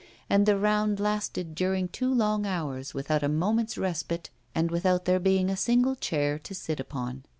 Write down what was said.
And the round lasted during two long hours, without a moment's respite, and without there being a single chair to sit upon.